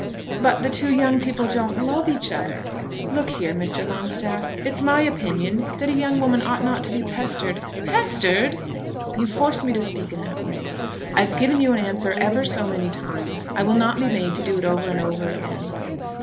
"But the two young people don't love each other. Look here, Mr. Longstaff; it's my opinion that a young woman ought not to be pestered." "Pestered!" "You force me to speak in that way. I've given you an answer ever so many times. I will not be made to do it over and over again."